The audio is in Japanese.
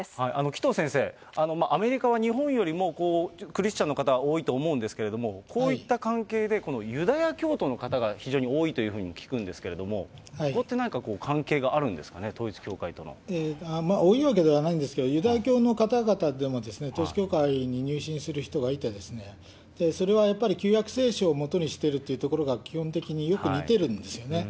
紀藤先生、アメリカは日本よりもクリスチャンの方、多いと思うんですけれども、こういった関係でユダヤ教徒の方が非常に多いというふうに聞くんですけれども、ここって何か関係があるんですか多いわけではないんですけども、ユダヤ教の方々でも、統一教会に入信する人はいて、それはやっぱり、旧約聖書をもとにしているということが基本的によく似てるんですよね。